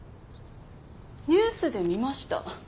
ニュースで見ました。